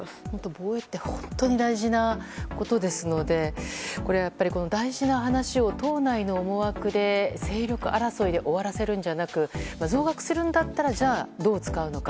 防衛って本当に大事なことですので大事な話を党内の思惑で勢力争いで終わらせるんじゃなく増額するんだったらじゃあ、どう使うのか。